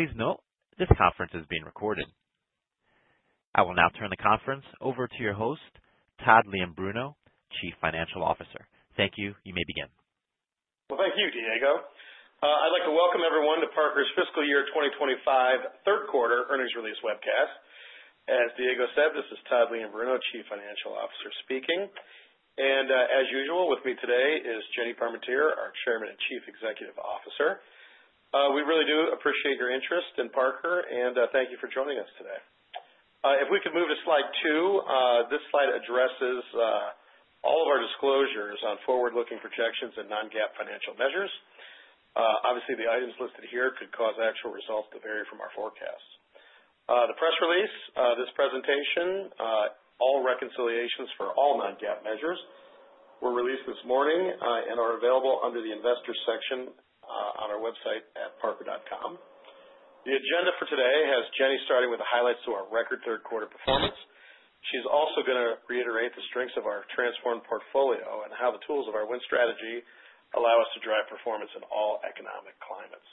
Please note, this conference is being recorded. I will now turn the conference over to your host, Todd Leombruno, Chief Financial Officer. Thank you. You may begin. Thank you, Diego. I'd like to welcome everyone to Parker's Fiscal Year 2025 Third Quarter Earnings Release Webcast. As Diego said, this is Todd Leombruno, Chief Financial Officer speaking. As usual, with me today is Jenny Parmentier, our Chairman and Chief Executive Officer. We really do appreciate your interest in Parker, and thank you for joining us today. If we could move to slide two, this slide addresses all of our disclosures on forward-looking projections and non-GAAP financial measures. Obviously, the items listed here could cause actual results to vary from our forecasts. The press release of this presentation, "All Reconciliations for All Non-GAAP Measures," were released this morning and are available under the Investor section on our website at parker.com. The agenda for today has Jenny starting with the highlights to our record third quarter performance. She's also going to reiterate the strengths of our transformed portfolio and how the tools of our Win Strategy allow us to drive performance in all economic climates.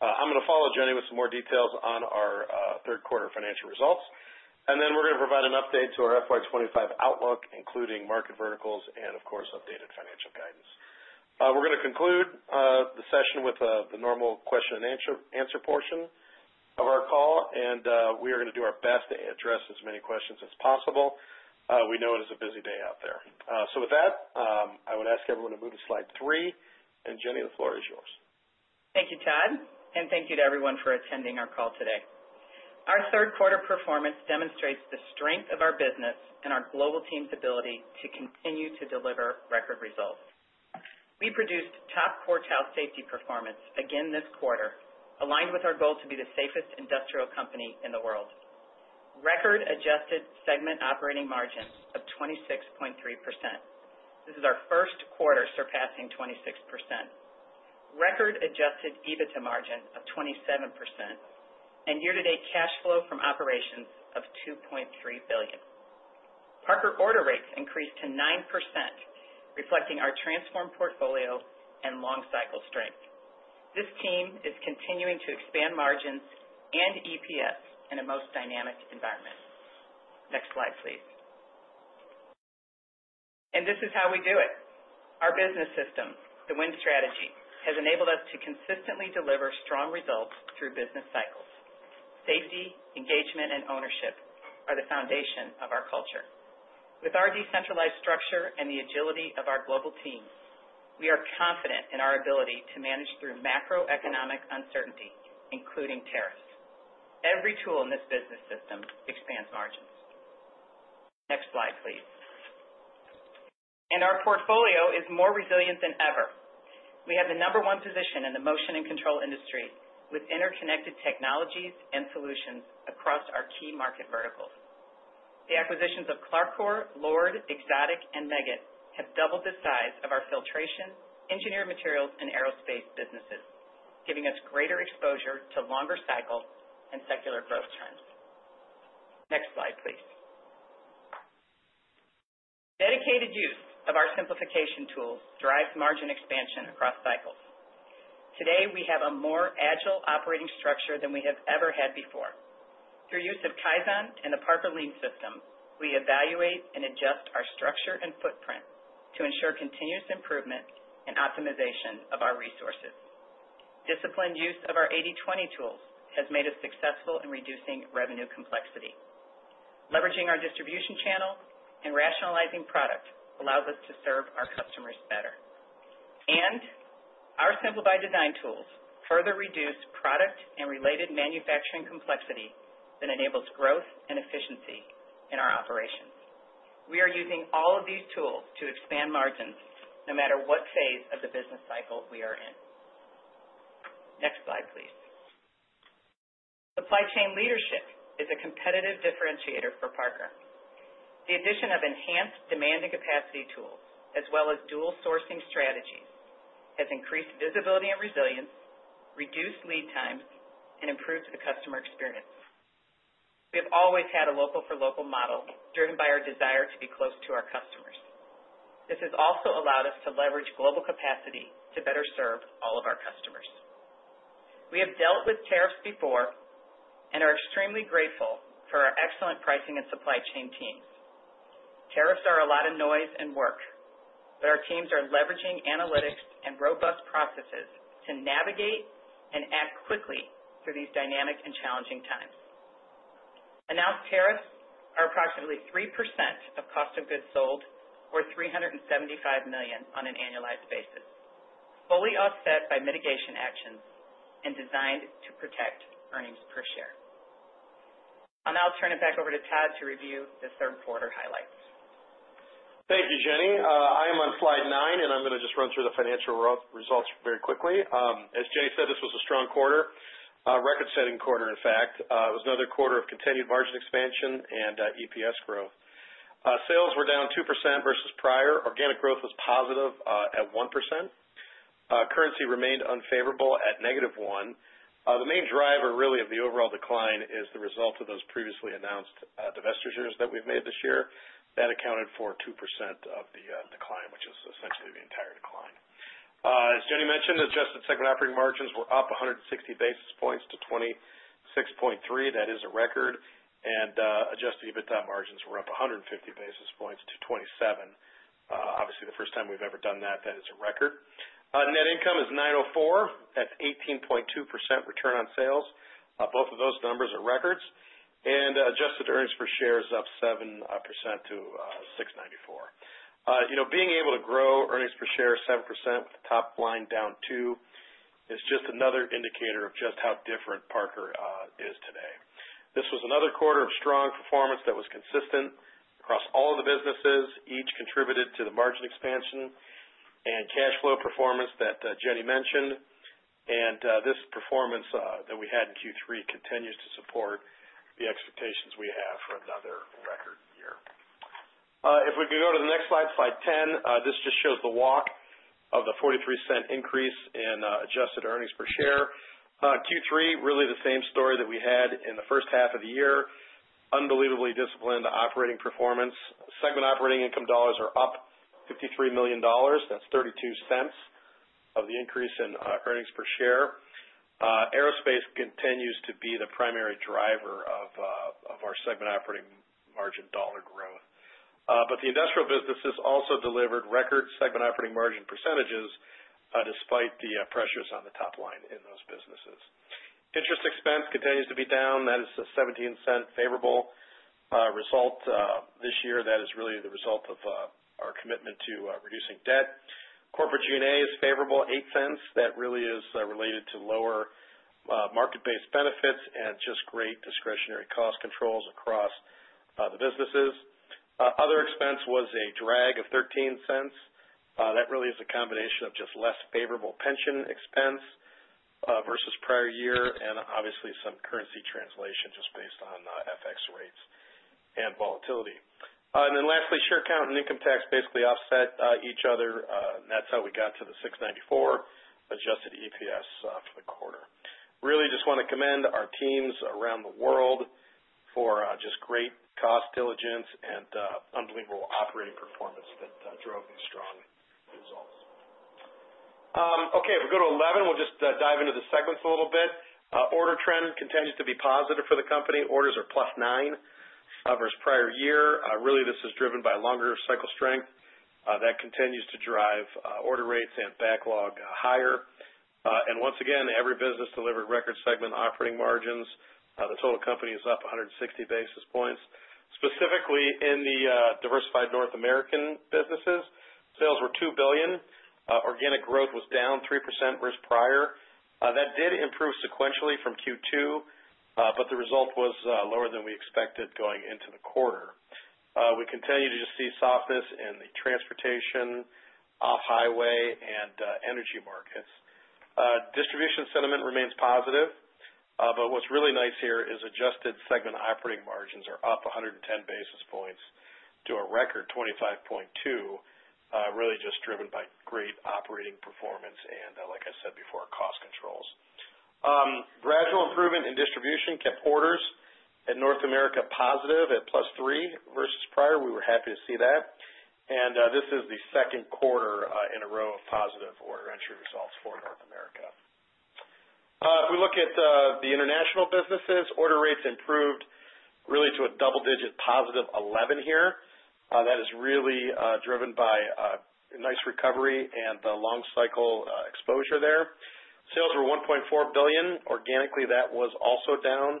I'm going to follow Jenny with some more details on our third quarter financial results, and then we're going to provide an update to our FY 2025 outlook, including market verticals and, of course, updated financial guidance. We're going to conclude the session with the normal question-and-answer portion of our call, and we are going to do our best to address as many questions as possible. We know it is a busy day out there. With that, I would ask everyone to move to slide three, and Jenny, the floor is yours. Thank you, Todd, and thank you to everyone for attending our call today. Our third quarter performance demonstrates the strength of our business and our global team's ability to continue to deliver record results. We produced top quartile safety performance again this quarter, aligned with our goal to be the safest industrial company in the world. Record adjusted segment operating margin of 26.3%. This is our first quarter surpassing 26%. Record adjusted EBITDA margin of 27% and year-to-date cash flow from operations of $2.3 billion. Parker order rates increased to 9%, reflecting our transformed portfolio and long-cycle strength. This team is continuing to expand margins and EPS in a most dynamic environment. Next slide, please. This is how we do it. Our business system, the Win Strategy, has enabled us to consistently deliver strong results through business cycles. Safety, engagement, and ownership are the foundation of our culture. With our decentralized structure and the agility of our global team, we are confident in our ability to manage through macroeconomic uncertainty, including tariffs. Every tool in this business system expands margins. Next slide, please. Our portfolio is more resilient than ever. We have the number one position in the motion and control industry with interconnected technologies and solutions across our key market verticals. The acquisitions of CLARCOR, LORD, Exotic, and Meggitt have doubled the size of our filtration, engineered materials, and aerospace businesses, giving us greater exposure to longer cycle and secular growth trends. Next slide, please. Dedicated use of our simplification tools drives margin expansion across cycles. Today, we have a more agile operating structure than we have ever had before. Through use of Kaizen and the Parker Lean system, we evaluate and adjust our structure and footprint to ensure continuous improvement and optimization of our resources. Disciplined use of our 80/20 tools has made us successful in reducing revenue complexity. Leveraging our distribution channel and rationalizing product allows us to serve our customers better. Our simplified design tools further reduce product and related manufacturing complexity that enables growth and efficiency in our operations. We are using all of these tools to expand margins no matter what phase of the business cycle we are in. Next slide, please. Supply chain leadership is a competitive differentiator for Parker. The addition of enhanced demand and capacity tools, as well as dual sourcing strategies, has increased visibility and resilience, reduced lead times, and improved the customer experience. We have always had a local-for-local model driven by our desire to be close to our customers. This has also allowed us to leverage global capacity to better serve all of our customers. We have dealt with tariffs before and are extremely grateful for our excellent pricing and supply chain teams. Tariffs are a lot of noise and work, but our teams are leveraging analytics and robust processes to navigate and act quickly through these dynamic and challenging times. Announced tariffs are approximately 3% of cost of goods sold or $375 million on an annualized basis, fully offset by mitigation actions and designed to protect earnings per share. I'll now turn it back over to Todd to review the third quarter highlights. Thank you, Jenny. I am on slide nine, and I'm going to just run through the financial results very quickly. As Jenny said, this was a strong quarter, a record-setting quarter, in fact. It was another quarter of continued margin expansion and EPS growth. Sales were down 2% versus prior. Organic growth was positive at 1%. Currency remained unfavorable at -1%. The main driver really of the overall decline is the result of those previously announced divestitures that we've made this year. That accounted for 2% of the decline, which is essentially the entire decline. As Jenny mentioned, adjusted segment operating margins were up 160 basis points to 26.3%. That is a record. Adjusted EBITDA margins were up 150 basis points to 27%. Obviously, the first time we've ever done that, that is a record. Net income is $904 million. That's 18.2% return on sales. Both of those numbers are records. Adjusted earnings per share is up 7% to $6.94. Being able to grow earnings per share 7% with top-line down 2% is just another indicator of just how different Parker is today. This was another quarter of strong performance that was consistent across all of the businesses. Each contributed to the margin expansion and cash flow performance that Jenny mentioned. This performance that we had in Q3 continues to support the expectations we have for another record year. If we could go to the next slide, slide 10, this just shows the walk of the $0.43 increase in adjusted earnings per share. Q3, really the same story that we had in the first half of the year. Unbelievably disciplined operating performance. Segment operating income dollars are up $53 million. That is $0.32 of the increase in earnings per share. Aerospace continues to be the primary driver of our segment operating margin dollar growth. The industrial businesses also delivered record segment operating margin percentages despite the pressures on the top-line in those businesses. Interest expense continues to be down. That is a $0.17 favorable result this year. That is really the result of our commitment to reducing debt. Corporate G&A is favorable, $0.08. That really is related to lower market-based benefits and just great discretionary cost controls across the businesses. Other expense was a drag of $0.13. That really is a combination of just less favorable pension expense versus prior year and obviously some currency translation just based on FX rates and volatility. Lastly, share count and income tax basically offset each other. That is how we got to the $6.94 adjusted EPS for the quarter. Really just want to commend our teams around the world for just great cost diligence and unbelievable operating performance that drove these strong results. Okay, if we go to 11, we'll just dive into the segments a little bit. Order trend continues to be positive for the company. Orders are +9% versus prior year. Really, this is driven by longer cycle strength. That continues to drive order rates and backlog higher. Once again, every business delivered record segment operating margins. The total company is up 160 basis points. Specifically in the diversified North American businesses, sales were $2 billion. Organic growth was down 3% versus prior. That did improve sequentially from Q2, but the result was lower than we expected going into the quarter. We continue to just see softness in the transportation, off-highway, and energy markets. Distribution sentiment remains positive. What is really nice here is adjusted segment operating margins are up 110 basis points to a record 25.2%, really just driven by great operating performance and, like I said before, cost controls. Gradual improvement in distribution kept orders in North America positive at +3% versus prior. We were happy to see that. This is the second quarter in a row of positive order entry results for North America. If we look at the international businesses, order rates improved really to a double-digit +11% here. That is really driven by a nice recovery and the long-cycle exposure there. Sales were $1.4 billion. Organically, that was also down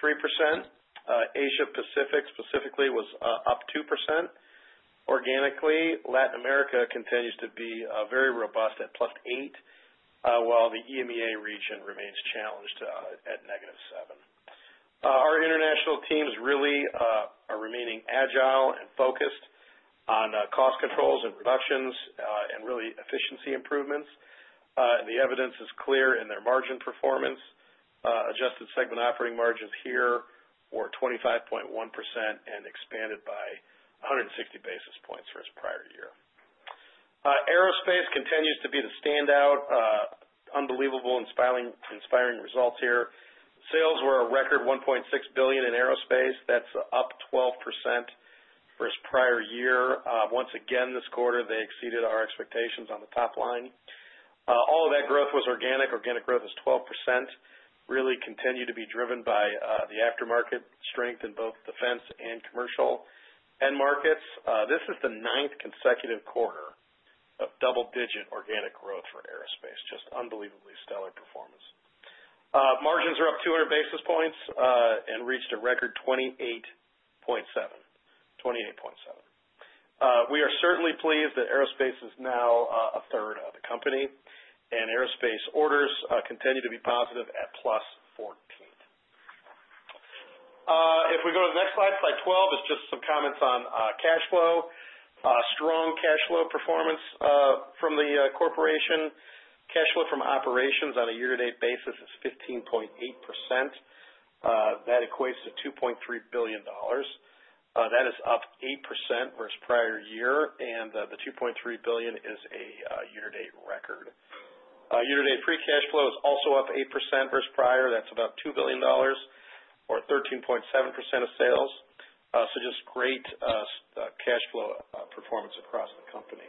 3%. Asia-Pacific specifically was up 2%. Organically, Latin America continues to be very robust at +8%, while the EMEA region remains challenged at -7%. Our international teams really are remaining agile and focused on cost controls and reductions and really efficiency improvements. The evidence is clear in their margin performance. Adjusted segment operating margins here were 25.1% and expanded by 160 basis points versus prior year. Aerospace continues to be the standout. Unbelievable inspiring results here. Sales were a record $1.6 billion in aerospace. That's up 12% versus prior year. Once again, this quarter, they exceeded our expectations on the top-line. All of that growth was organic. Organic growth is 12%, really continued to be driven by the aftermarket strength in both defense and commercial end markets. This is the ninth consecutive quarter of double-digit organic growth for aerospace. Just unbelievably stellar performance. Margins are up 200 basis points and reached a record 28.7%. We are certainly pleased that aerospace is now a third of the company. Aerospace orders continue to be positive at +14%. If we go to the next slide, slide 12, it is just some comments on cash flow. Strong cash flow performance from the corporation. Cash flow from operations on a year-to-date basis is 15.8%. That equates to $2.3 billion. That is up 8% versus prior year. The $2.3 billion is a year-to-date record. Year-to-date free cash flow is also up 8% versus prior. That is about $2 billion or 13.7% of sales. Just great cash flow performance across the company.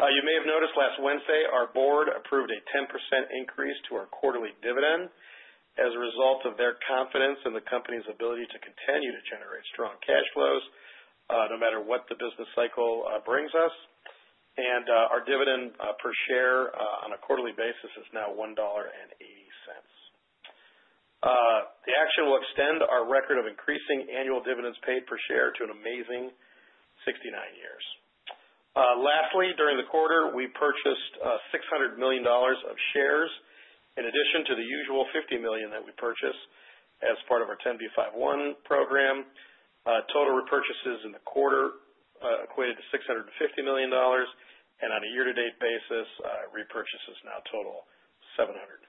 You may have noticed last Wednesday, our board approved a 10% increase to our quarterly dividend as a result of their confidence in the company's ability to continue to generate strong cash flows no matter what the business cycle brings us. Our dividend per share on a quarterly basis is now $1.80. The action will extend our record of increasing annual dividends paid per share to an amazing 69 years. Lastly, during the quarter, we purchased $600 million of shares in addition to the usual $50 million that we purchased as part of our 10b5-1 program. Total repurchases in the quarter equated to $650 million. On a year-to-date basis, repurchases now total $750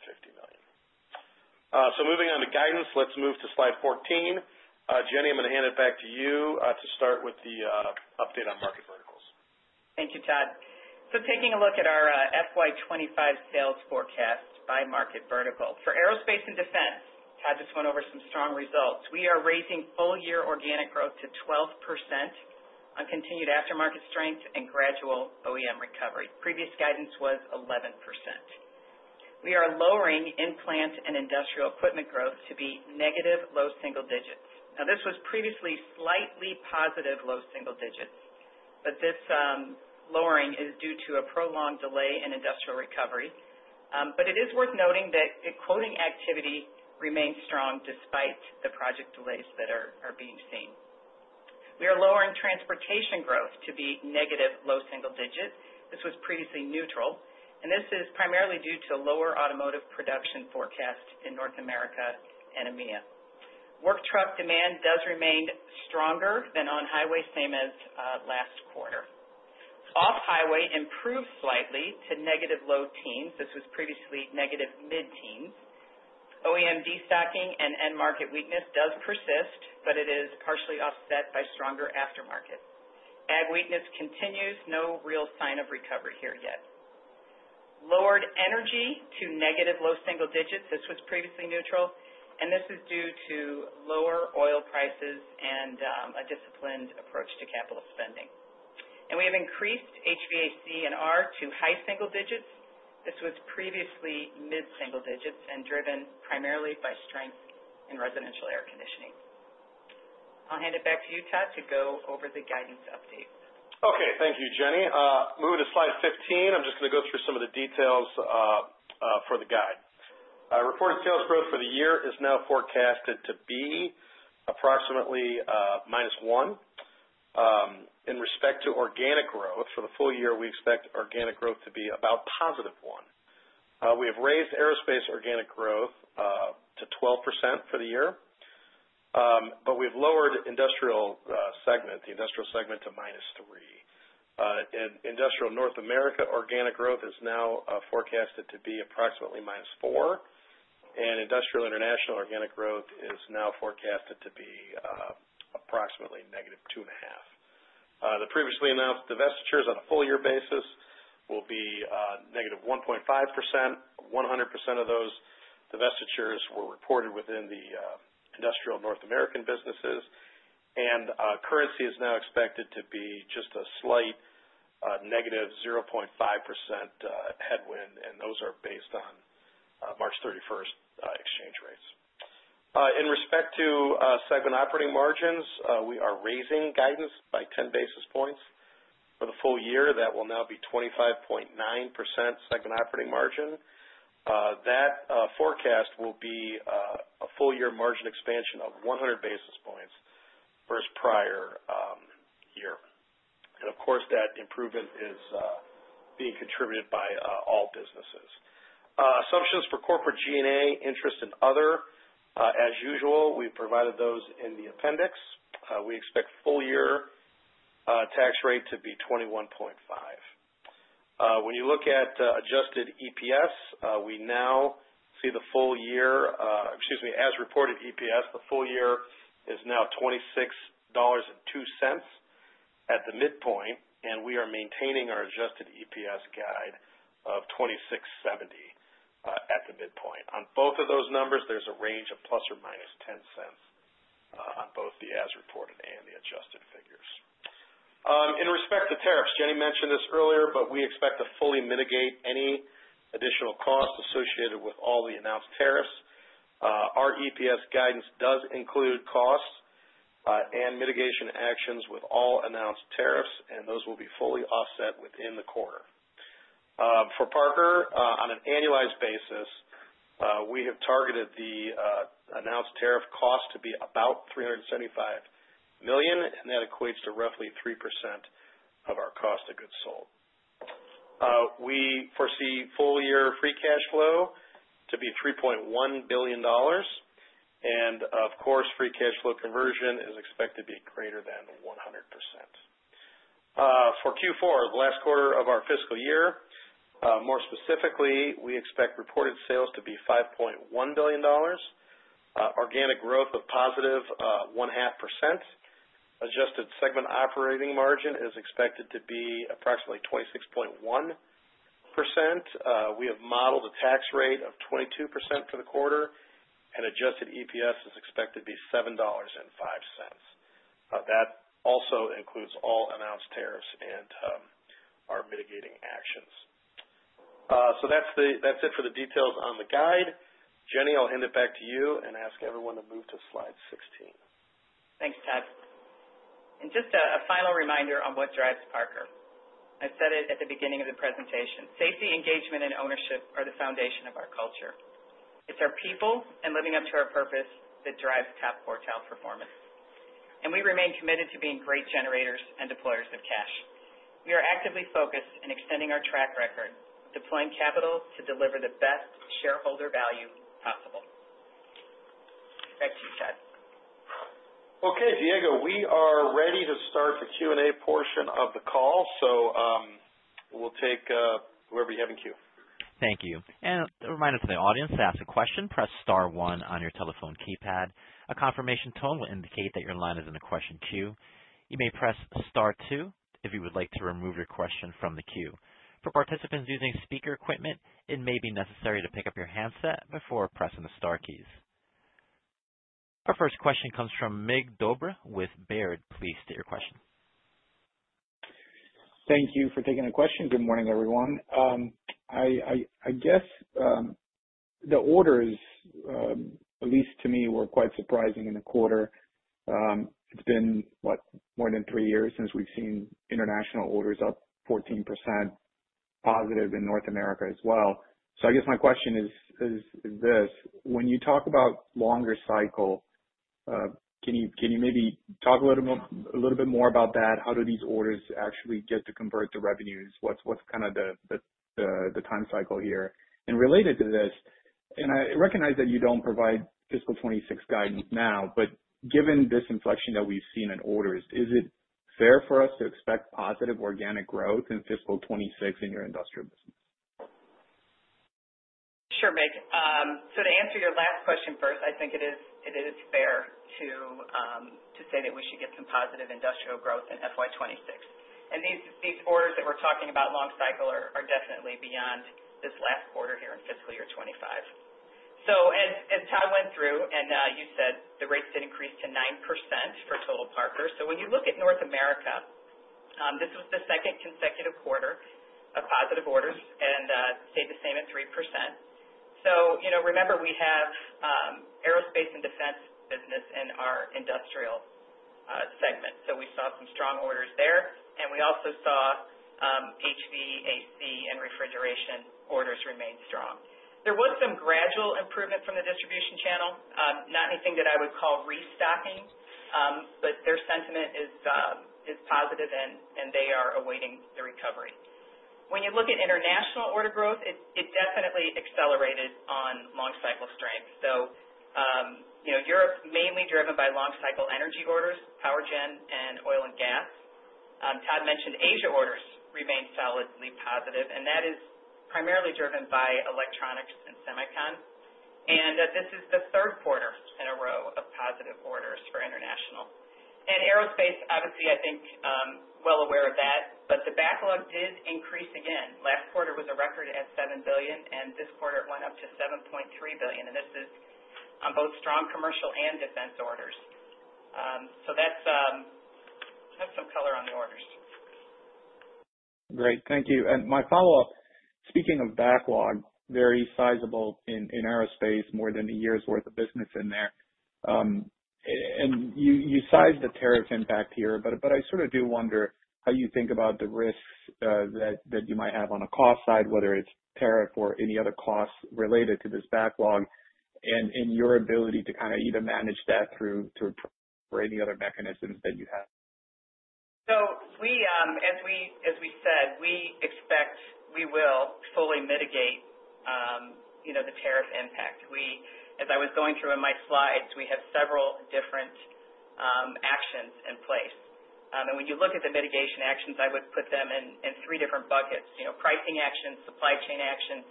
million. Moving on to guidance, let's move to slide 14. Jenny, I'm going to hand it back to you to start with the update on market verticals. Thank you, Todd. Taking a look at our FY 2025 sales forecast by market vertical. For aerospace and defense, Todd just went over some strong results. We are raising full-year organic growth to 12% on continued aftermarket strength and gradual OEM recovery. Previous guidance was 11%. We are lowering implant and industrial equipment growth to be negative low single digits. This was previously slightly positive low single digits, but this lowering is due to a prolonged delay in industrial recovery. It is worth noting that the quoting activity remains strong despite the project delays that are being seen. We are lowering transportation growth to be negative low single digits. This was previously neutral. This is primarily due to lower automotive production forecast in North America and EMEA. Work truck demand does remain stronger than on-highway, same as last quarter. Off-highway improved slightly to negative low-teens. This was previously negative mid-teens. OEM desocking and end market weakness does persist, but it is partially offset by stronger aftermarket. Ag weakness continues. No real sign of recovery here yet. Lowered energy to negative low single digits. This was previously neutral. This is due to lower oil prices and a disciplined approach to capital spending. We have increased HVAC/R to high single digits. This was previously mid single digits and driven primarily by strength in residential air conditioning. I'll hand it back to you, Todd, to go over the guidance update. Okay, thank you, Jenny. Moving to slide 15, I'm just going to go through some of the details for the guide. Reported sales growth for the year is now forecasted to be approximately -1%. In respect to organic growth for the full year, we expect organic growth to be about +1%. We have raised aerospace organic growth to 12% for the year. We have lowered the industrial segment to -3%. Industrial North America organic growth is now forecasted to be approximately -4%. Industrial international organic growth is now forecasted to be approximately -2.5%. The previously announced divestitures on a full-year basis will be -1.5%. 100% of those divestitures were reported within the industrial North American businesses. Currency is now expected to be just a slight -0.5% headwind. Those are based on March 31 exchange rates. In respect to segment operating margins, we are raising guidance by 10 basis points for the full year. That will now be 25.9% segment operating margin. That forecast will be a full-year margin expansion of 100 basis points versus prior year. Of course, that improvement is being contributed by all businesses. Assumptions for corporate G&A, interest, and other, as usual, we've provided those in the appendix. We expect full-year tax rate to be 21.5%. When you look at adjusted EPS, we now see the full-year, excuse me, as reported EPS, the full-year is now $26.02 at the midpoint. We are maintaining our adjusted EPS guide of $26.70 at the midpoint. On both of those numbers, there's a range of ±$0.10 on both the as reported and the adjusted figures. In respect to tariffs, Jenny mentioned this earlier, but we expect to fully mitigate any additional cost associated with all the announced tariffs. Our EPS guidance does include cost and mitigation actions with all announced tariffs. Those will be fully offset within the quarter. For Parker, on an annualized basis, we have targeted the announced tariff cost to be about $375 million. That equates to roughly 3% of our cost of goods sold. We foresee full-year free cash flow to be $3.1 billion. Of course, free cash flow conversion is expected to be greater than 100%. For Q4, the last quarter of our fiscal year, more specifically, we expect reported sales to be $5.1 billion. Organic growth of +0.5%. Adjusted segment operating margin is expected to be approximately 26.1%. We have modeled a tax rate of 22% for the quarter. Adjusted EPS is expected to be $7.05. That also includes all announced tariffs and our mitigating actions. That is it for the details on the guide. Jenny, I will hand it back to you and ask everyone to move to slide 16. Thanks, Todd. A final reminder on what drives Parker. I said it at the beginning of the presentation. Safety, engagement, and ownership are the foundation of our culture. It's our people and living up to our purpose that drives top quartile performance. We remain committed to being great generators and deployers of cash. We are actively focused in extending our track record, deploying capital to deliver the best shareholder value possible. Back to you, Todd. Okay, Diego, we are ready to start the Q&A portion of the call. We will take whoever you have in queue. Thank you. A reminder to the audience to ask a question, press star one on your telephone keypad. A confirmation tone will indicate that your line is in the question queue. You may press star two if you would like to remove your question from the queue. For participants using speaker equipment, it may be necessary to pick up your handset before pressing the star keys. Our first question comes from Mig Dobre with Baird. Please state your question. Thank you for taking the question. Good morning, everyone. I guess the orders, at least to me, were quite surprising in the quarter. It's been, what, more than three years since we've seen international orders up 14% positive in North America as well. I guess my question is this: when you talk about longer cycle, can you maybe talk a little bit more about that? How do these orders actually get to convert to revenues? What's kind of the time cycle here? Related to this, and I recognize that you don't provide fiscal 2026 guidance now, but given this inflection that we've seen in orders, is it fair for us to expect positive organic growth in fiscal 2026 in your industrial business? Sure, Mig. To answer your last question first, I think it is fair to say that we should get some positive industrial growth in FY 2026. These orders that we're talking about, long cycle, are definitely beyond this last quarter here in fiscal year 2025. As Todd went through, and you said, the rates did increase to 9% for total Parker. When you look at North America, this was the second consecutive quarter of positive orders and stayed the same at 3%. Remember, we have aerospace and defense business in our industrial segment. We saw some strong orders there. We also saw HVAC and refrigeration orders remain strong. There was some gradual improvement from the distribution channel, not anything that I would call restocking. Their sentiment is positive, and they are awaiting the recovery. When you look at international order growth, it definitely accelerated on long cycle strength. Europe's mainly driven by long-cycle energy orders, power gen, and oil and gas. Todd mentioned Asia orders remain solidly positive. That is primarily driven by electronics and semicon. This is the third quarter in a row of positive orders for international. Aerospace, obviously, I think, well aware of that. The backlog did increase again. Last quarter was a record at $7 billion. This quarter, it went up to $7.3 billion. This is on both strong commercial and defense orders. That is some color on the orders. Great. Thank you. My follow-up, speaking of backlog, very sizable in aerospace, more than a year's worth of business in there. You sized the tariff impact here. I sort of do wonder how you think about the risks that you might have on a cost side, whether it's tariff or any other costs related to this backlog, and your ability to kind of either manage that through or any other mechanisms that you have. As we said, we expect we will fully mitigate the tariff impact. As I was going through in my slides, we have several different actions in place. When you look at the mitigation actions, I would put them in three different buckets: pricing actions, supply chain actions,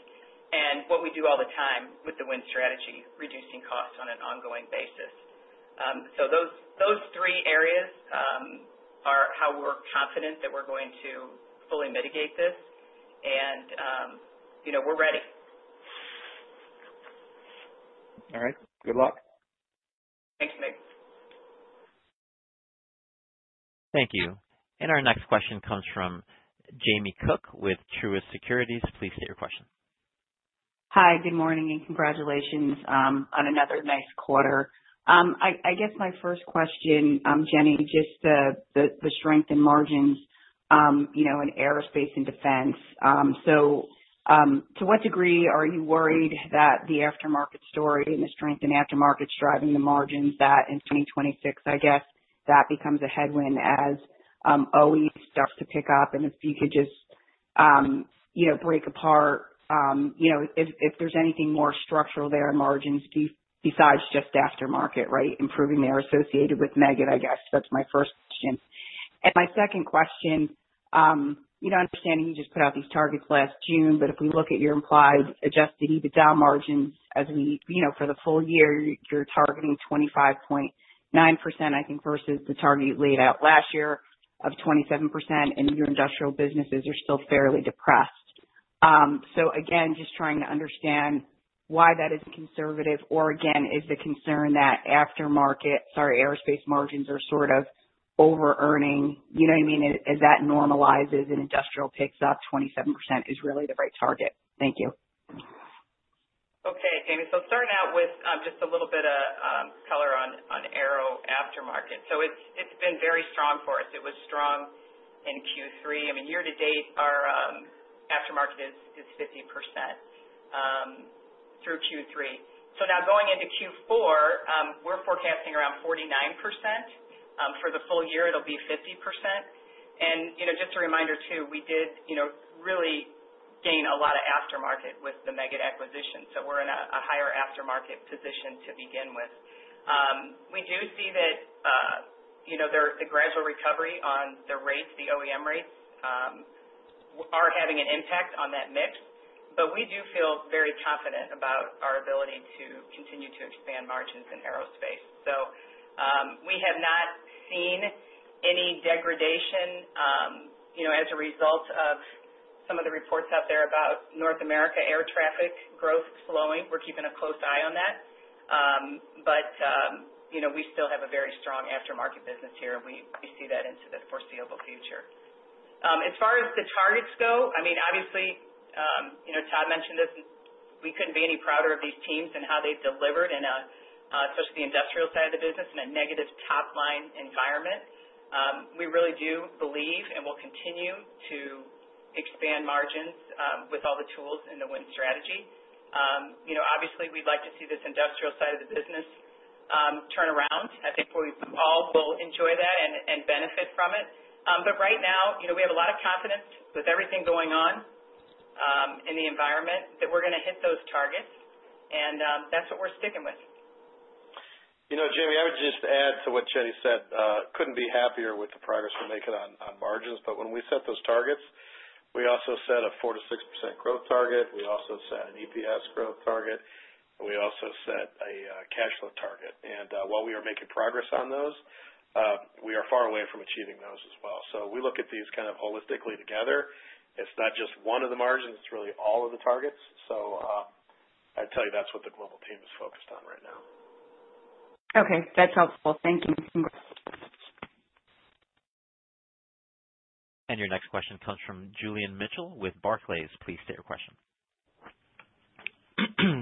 and what we do all the time with the Win Strategy, reducing costs on an ongoing basis. Those three areas are how we're confident that we're going to fully mitigate this. We're ready. All right. Good luck. Thanks, Mig. Thank you. Our next question comes from Jamie Cook with Truist Securities. Please state your question. Hi, good morning, and congratulations on another nice quarter. I guess my first question, Jenny, just the strength in margins in aerospace and defense. To what degree are you worried that the aftermarket story and the strength in aftermarket's driving the margins that in 2026, I guess, that becomes a headwind as OEMs start to pick up? If you could just break apart if there's anything more structural there in margins besides just aftermarket, right, improving there associated with Meggitt, I guess. That's my first question. My second question, understanding you just put out these targets last June, but if we look at your implied adjusted EBITDA margins as we for the full year, you're targeting 25.9%, I think, versus the target you laid out last year of 27%. Your industrial businesses are still fairly depressed. Again, just trying to understand why that is conservative. Or again, is the concern that aftermarket, sorry, aerospace margins are sort of overearning? You know what I mean? As that normalizes and industrial picks up, 27% is really the right target. Thank you. Okay, Jamie. Starting out with just a little bit of color on aero aftermarket. It has been very strong for us. It was strong in Q3. I mean, year-to-date, our aftermarket is 50% through Q3. Now going into Q4, we're forecasting around 49%. For the full year, it will be 50%. Just a reminder too, we did really gain a lot of aftermarket with the Meggitt acquisition. We are in a higher aftermarket position to begin with. We do see that the gradual recovery on the rates, the OEM rates, are having an impact on that mix. We do feel very confident about our ability to continue to expand margins in aerospace. We have not seen any degradation as a result of some of the reports out there about North America air traffic growth slowing. We're keeping a close eye on that. We still have a very strong aftermarket business here. We see that into the foreseeable future. As far as the targets go, I mean, obviously, Todd mentioned this. We could not be any prouder of these teams and how they have delivered, especially the industrial side of the business, in a negative top-line environment. We really do believe and will continue to expand margins with all the tools in the Win Strategy. Obviously, we would like to see this industrial side of the business turn around. I think we all will enjoy that and benefit from it. Right now, we have a lot of confidence with everything going on in the environment that we are going to hit those targets. That is what we are sticking with. Jamie, I would just add to what Jenny said. Couldn't be happier with the progress we're making on margins. When we set those targets, we also set a 4%-6% growth target. We also set an EPS growth target. We also set a cash flow target. While we are making progress on those, we are far away from achieving those as well. We look at these kind of holistically together. It's not just one of the margins. It's really all of the targets. I'd tell you that's what the global team is focused on right now. Okay. That's helpful. Thank you. Your next question comes from Julian Mitchell with Barclays. Please state your question.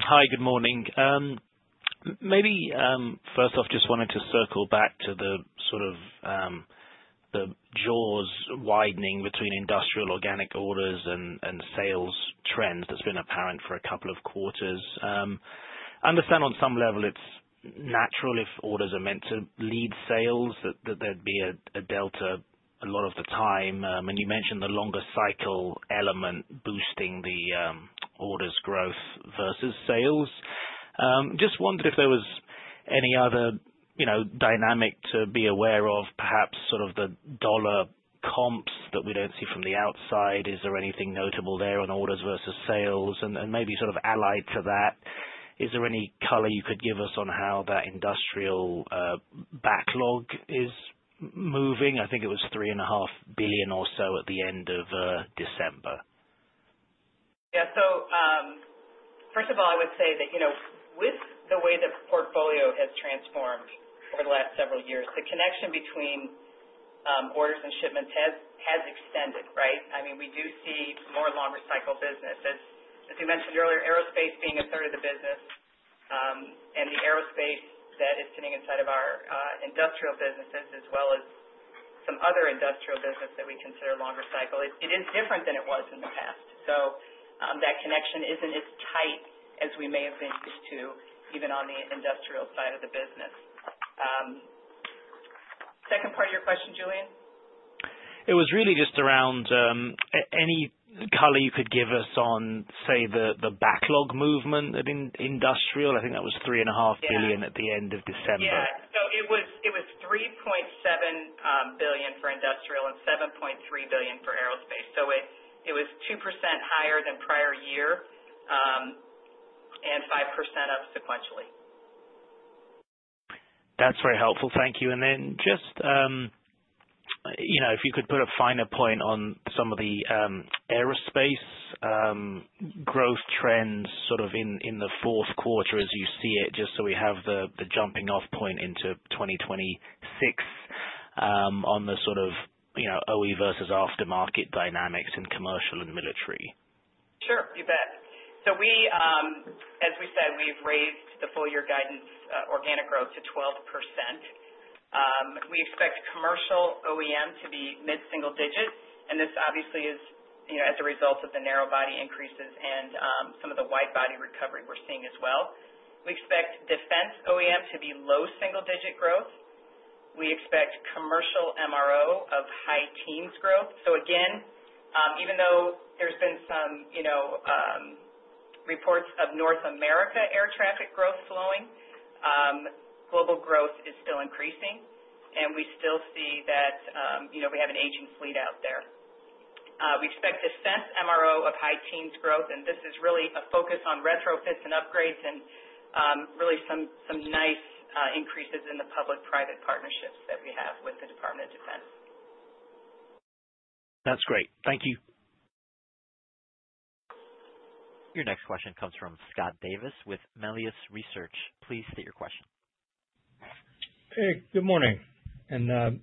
Hi, good morning. Maybe first off, just wanted to circle back to the sort of jaws widening between industrial organic orders and sales trends that's been apparent for a couple of quarters. I understand on some level it's natural if orders are meant to lead sales, that there'd be a delta a lot of the time. You mentioned the longer cycle element boosting the orders growth versus sales. Just wondered if there was any other dynamic to be aware of, perhaps sort of the dollar comps that we don't see from the outside. Is there anything notable there on orders versus sales? Maybe sort of allied to that, is there any color you could give us on how that industrial backlog is moving? I think it was $3.5 billion or so at the end of December. Yeah. First of all, I would say that with the way the portfolio has transformed over the last several years, the connection between orders and shipments has extended, right? I mean, we do see more longer cycle business. As you mentioned earlier, aerospace being a third of the business and the aerospace that is sitting inside of our industrial businesses, as well as some other industrial business that we consider longer cycle, it is different than it was in the past. That connection is not as tight as we may have been used to, even on the industrial side of the business. Second part of your question, Julian? It was really just around any color you could give us on, say, the backlog movement in industrial. I think that was $3.5 billion at the end of December. Yeah. It was $3.7 billion for industrial and $7.3 billion for aerospace. It was 2% higher than prior year and 5% up sequentially. That's very helpful. Thank you. If you could put a finer point on some of the aerospace growth trends sort of in the fourth quarter as you see it, just so we have the jumping-off point into 2026 on the sort of OE versus aftermarket dynamics in commercial and military. Sure. You bet. As we said, we've raised the full-year guidance organic growth to 12%. We expect commercial OEM to be mid-single-digit. This obviously is as a result of the narrow body increases and some of the wide body recovery we're seeing as well. We expect defense OEM to be low single-digit growth. We expect commercial MRO of high-teens growth. Even though there's been some reports of North America air traffic growth slowing, global growth is still increasing. We still see that we have an aging fleet out there. We expect defense MRO of high-teens growth. This is really a focus on retrofits and upgrades and really some nice increases in the public-private partnerships that we have with the Department of Defense. That's great. Thank you. Your next question comes from Scott Davis with Melius Research. Please state your question. Hey, good morning. Again,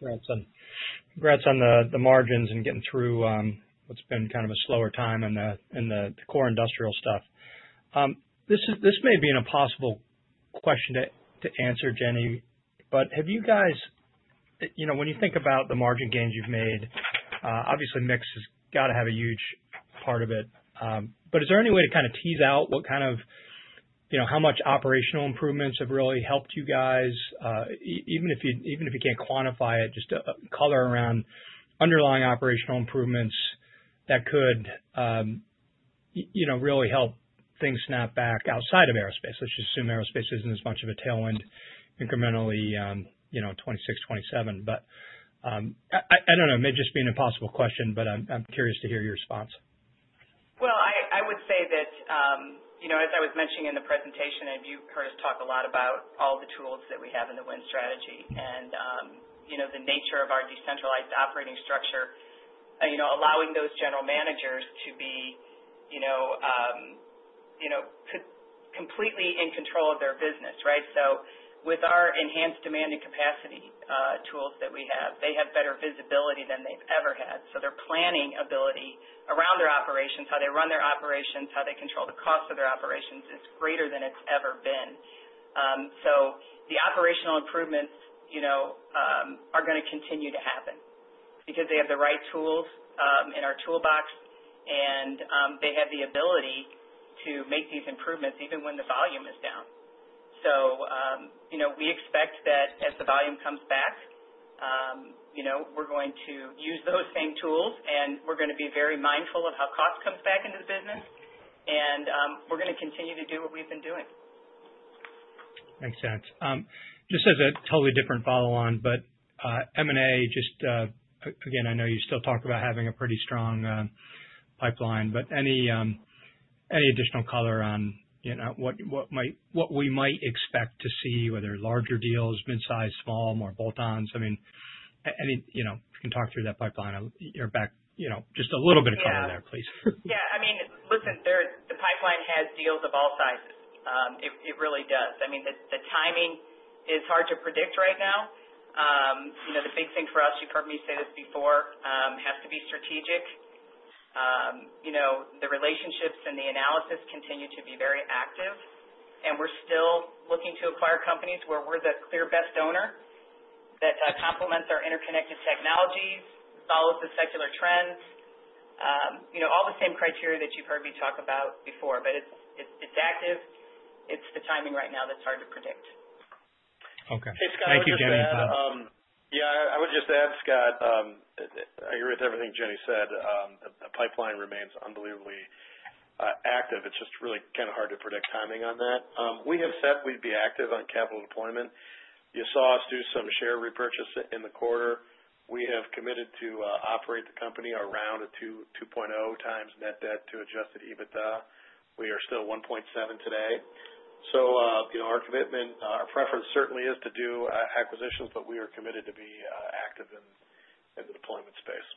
congrats on the margins and getting through what's been kind of a slower time in the core industrial stuff. This may be an impossible question to answer, Jenny. Have you guys, when you think about the margin gains you've made, obviously, mix has got to have a huge part of it. Is there any way to kind of tease out what kind of how much operational improvements have really helped you guys? Even if you can't quantify it, just color around underlying operational improvements that could really help things snap back outside of aerospace. Let's just assume aerospace isn't as much of a tailwind incrementally in 2026, 2027. I don't know. It may just be an impossible question, but I'm curious to hear your response. I would say that as I was mentioning in the presentation, you've heard us talk a lot about all the tools that we have in the Win Strategy and the nature of our decentralized operating structure, allowing those general managers to be completely in control of their business, right? With our enhanced demand and capacity tools that we have, they have better visibility than they've ever had. Their planning ability around their operations, how they run their operations, how they control the cost of their operations is greater than it's ever been. The operational improvements are going to continue to happen because they have the right tools in our toolbox. They have the ability to make these improvements even when the volume is down. We expect that as the volume comes back, we're going to use those same tools. We are going to be very mindful of how cost comes back into the business. We are going to continue to do what we have been doing. Makes sense. Just as a totally different follow-on, but M&A, just again, I know you still talk about having a pretty strong pipeline. Any additional color on what we might expect to see, whether larger deals, mid-size, small, more bolt-ons? I mean, if you can talk through that pipeline on your back, just a little bit of color there, please. Yeah. I mean, listen, the pipeline has deals of all sizes. It really does. I mean, the timing is hard to predict right now. The big thing for us, you've heard me say this before, has to be strategic. The relationships and the analysis continue to be very active. We're still looking to acquire companies where we're the clear best owner that complements our interconnected technologies, follows the secular trends, all the same criteria that you've heard me talk about before. It's active. It's the timing right now that's hard to predict. Okay. Thank you, Jenny. Yeah. I would just add, Scott, I agree with everything Jenny said. The pipeline remains unbelievably active. It is just really kind of hard to predict timing on that. We have said we would be active on capital deployment. You saw us do some share repurchase in the quarter. We have committed to operate the company around a 2.0x net debt to adjusted EBITDA. We are still 1.7 today. Our commitment, our preference certainly is to do acquisitions. We are committed to be active in the deployment space.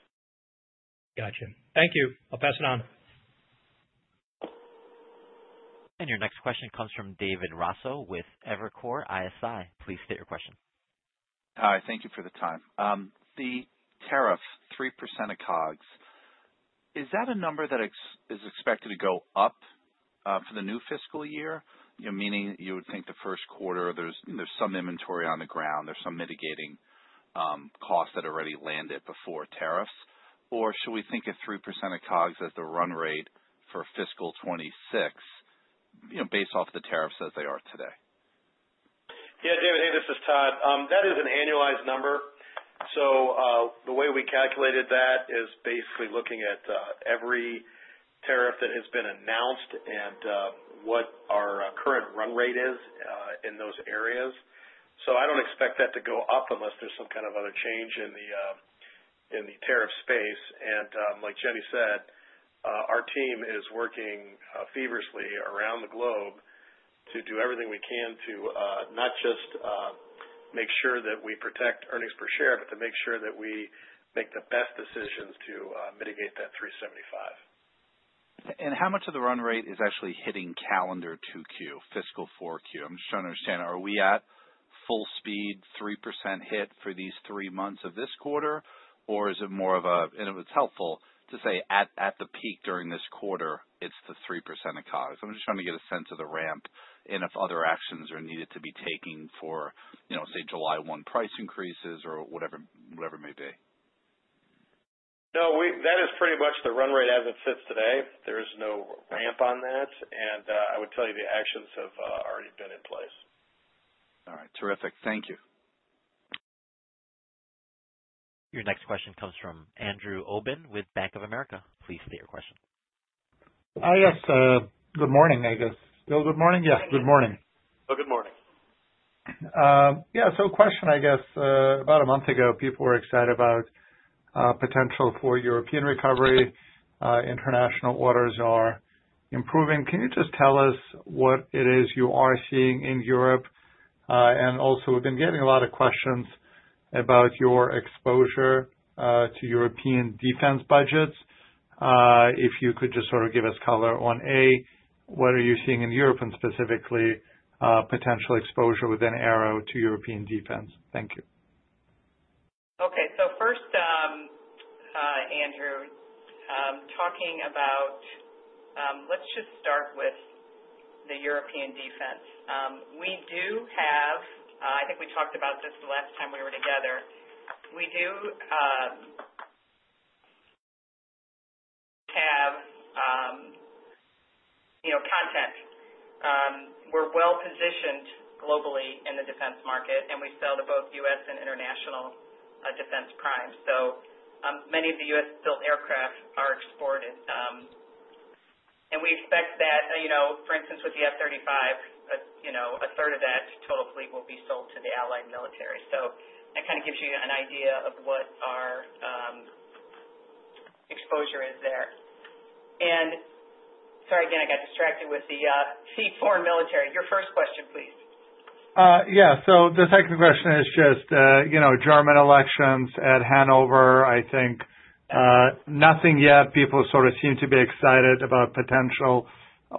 Gotcha. Thank you. I'll pass it on. Your next question comes from David Raso with Evercore ISI. Please state your question. Hi. Thank you for the time. The tariffs, 3% of COGS, is that a number that is expected to go up for the new fiscal year? Meaning you would think the first quarter there's some inventory on the ground, there's some mitigating costs that already landed before tariffs. Should we think of 3% of COGS as the run-rate for fiscal 2026 based off the tariffs as they are today? Yeah, David. Hey, this is Todd. That is an annualized number. The way we calculated that is basically looking at every tariff that has been announced and what our current run-rate is in those areas. I do not expect that to go up unless there is some kind of other change in the tariff space. Like Jenny said, our team is working feverishly around the globe to do everything we can to not just make sure that we protect earnings per share, but to make sure that we make the best decisions to mitigate that $375 million. How much of the run-rate is actually hitting calendar 2Q, fiscal 4Q? I'm just trying to understand. Are we at full speed, 3% hit for these three months of this quarter? Is it more of a, and it's helpful to say at the peak during this quarter, it's the 3% of COGS? I'm just trying to get a sense of the ramp and if other actions are needed to be taken for, say, July 1 price increases or whatever it may be. No, that is pretty much the run-rate as it sits today. There is no ramp on that. I would tell you the actions have already been in place. All right. Terrific. Thank you. Your next question comes from Andrew Obin with Bank of America. Please state your question. Hi. Yes. Good morning, I guess. Still good morning? Yes. Good morning. Oh, good morning. Yeah. A question, I guess. About a month ago, people were excited about potential for European recovery. International orders are improving. Can you just tell us what it is you are seeing in Europe? Also, we've been getting a lot of questions about your exposure to European defense budgets. If you could just sort of give us color on, A, what are you seeing in Europe and specifically potential exposure within aerial to European defense? Thank you. Okay. First, Andrew, talking about—let's just start with the European defense. We do have—I think we talked about this the last time we were together. We do have content. We're well positioned globally in the defense market. We sell to both U.S. and international defense prime. Many of the U.S.-built aircraft are exported. We expect that, for instance, with the F-35, a third of that total fleet will be sold to the allied military. That kind of gives you an idea of what our exposure is there. Sorry, again, I got distracted with the foreign military. Your first question, please. Yeah. The second question is just German elections at Hanover. I think nothing yet. People sort of seem to be excited about potential.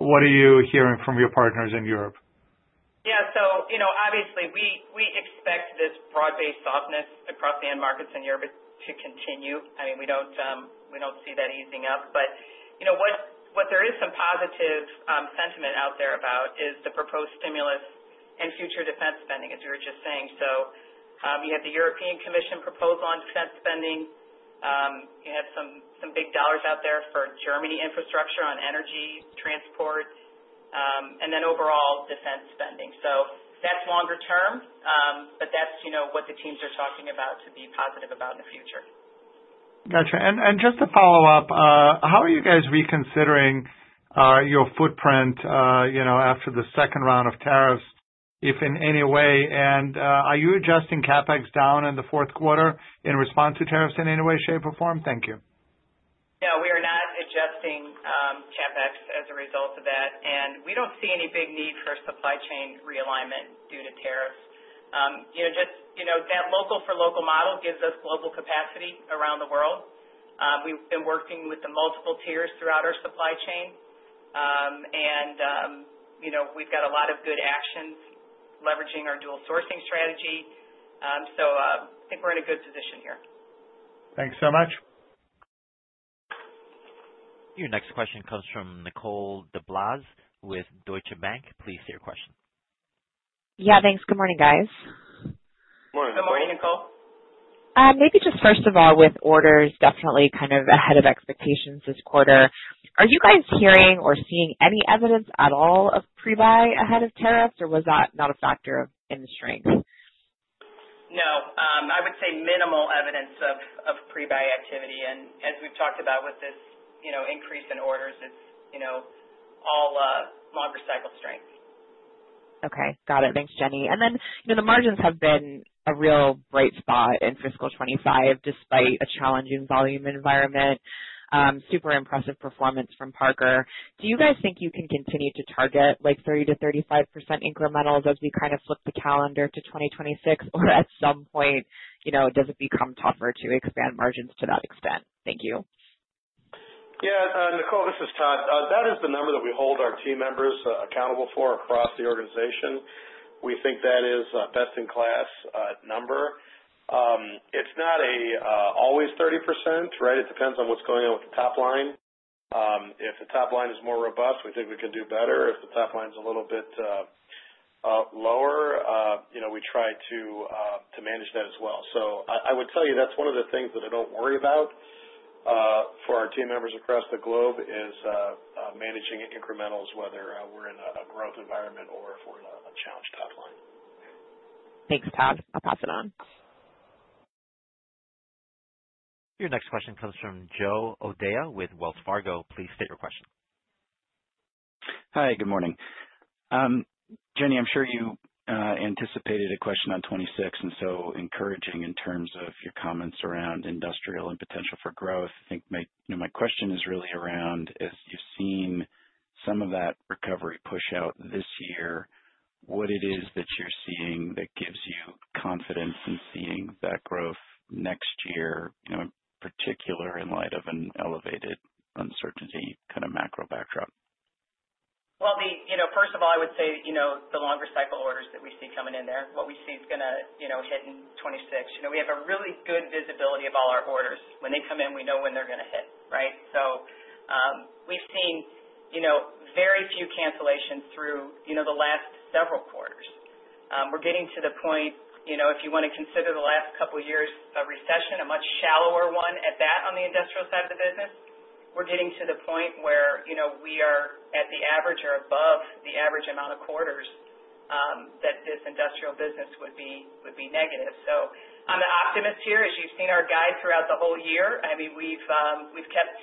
What are you hearing from your partners in Europe? Yeah. Obviously, we expect this broad-based softness across the end markets in Europe to continue. I mean, we do not see that easing up. What there is some positive sentiment out there about is the proposed stimulus and future defense spending, as you were just saying. You have the European Commission proposal on defense spending. You have some big dollars out there for Germany infrastructure on energy transport. Overall defense spending is also a factor. That is longer term. That is what the teams are talking about to be positive about in the future. Gotcha. Just to follow up, how are you guys reconsidering your footprint after the second round of tariffs, if in any way? Are you adjusting CapEx down in the fourth quarter in response to tariffs in any way, shape, or form? Thank you. No, we are not adjusting CapEx as a result of that. We do not see any big need for supply chain realignment due to tariffs. Just that local-for-local model gives us global capacity around the world. We have been working with the multiple tiers throughout our supply chain. We have a lot of good actions leveraging our dual sourcing strategy. I think we are in a good position here. Thanks so much. Your next question comes from Nicole DeBlase with Deutsche Bank. Please state your question. Yeah. Thanks. Good morning, guys. Good morning. Good morning, Nicole. Maybe just first of all, with orders, definitely kind of ahead of expectations this quarter, are you guys hearing or seeing any evidence at all of pre-buy ahead of tariffs? Or was that not a factor in the strength? No. I would say minimal evidence of pre-buy activity. As we've talked about with this increase in orders, it's all longer cycle strength. Okay. Got it. Thanks, Jenny. The margins have been a real bright spot in fiscal 2025 despite a challenging volume environment. Super impressive performance from Parker. Do you guys think you can continue to target 30%-35% incrementals as we kind of flip the calendar to 2026? At some point, does it become tougher to expand margins to that extent? Thank you. Yeah. Nicole, this is Todd. That is the number that we hold our team members accountable for across the organization. We think that is a best-in-class number. It's not always 30%, right? It depends on what's going on with the top-line. If the top-line is more robust, we think we can do better. If the top-line is a little bit lower, we try to manage that as well. I would tell you that's one of the things that I don't worry about for our team members across the globe is managing incrementals, whether we're in a growth environment or if we're in a challenged top-line. Thanks, Todd. I'll pass it on. Your next question comes from Joe O'Dea with Wells Fargo. Please state your question. Hi. Good morning. Jenny, I'm sure you anticipated a question on 2026 and so encouraging in terms of your comments around industrial and potential for growth. I think my question is really around, as you've seen some of that recovery push out this year, what it is that you're seeing that gives you confidence in seeing that growth next year, in particular in light of an elevated uncertainty kind of macro backdrop? First of all, I would say the longer cycle orders that we see coming in there, what we see is going to hit in 2026. We have a really good visibility of all our orders. When they come in, we know when they're going to hit, right? We have seen very few cancellations through the last several quarters. We're getting to the point, if you want to consider the last couple of years a recession, a much shallower one at that on the industrial side of the business, we're getting to the point where we are at the average or above the average amount of quarters that this industrial business would be negative. I'm an optimist here. As you've seen our guide throughout the whole year, I mean, we've kept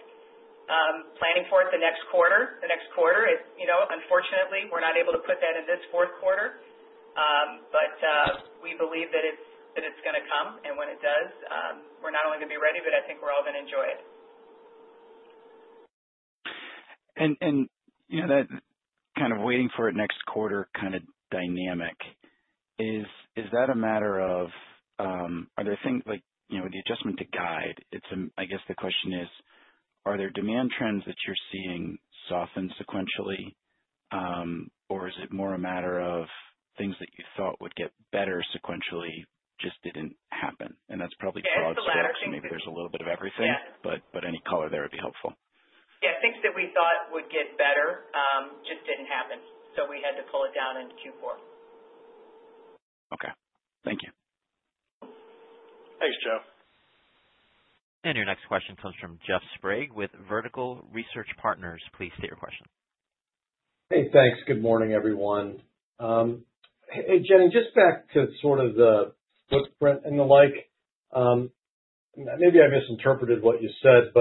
planning for it the next quarter. The next quarter, unfortunately, we're not able to put that in this fourth quarter. We believe that it's going to come. When it does, we're not only going to be ready, but I think we're all going to enjoy it. That kind of waiting for it next quarter kind of dynamic, is that a matter of are there things like with the adjustment to guide, I guess the question is, are there demand trends that you're seeing soften sequentially? Or is it more a matter of things that you thought would get better sequentially just did not happen? That is probably cause for maybe there is a little bit of everything. Any color there would be helpful. Yeah. Things that we thought would get better just did not happen. We had to pull it down into Q4. Okay. Thank you. Thanks, Joe. Your next question comes from Jeff Sprague with Vertical Research Partners. Please state your question. Hey, thanks. Good morning, everyone. Hey, Jenny, just back to sort of the footprint and the like. Maybe I misinterpreted what you said.